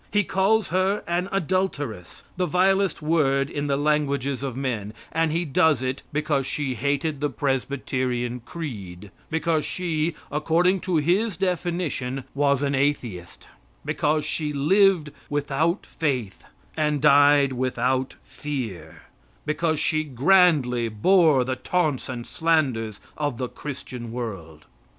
He calls her an adulteress the vilest word in the languages of men and he does it because she hated the Presbyterian creed, because she, according to his definition, was an atheist, because she lived without faith and died without fear, because she grandly bore the taunts and slanders of the Christian world.